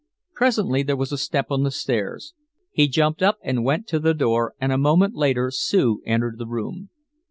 Presently there was a step on the stairs. He jumped up and went to the door, and a moment later Sue entered the room.